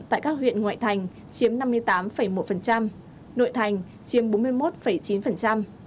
tại các huyện ngoại thành chiếm năm mươi tám một nội thành chiếm bốn mươi một chín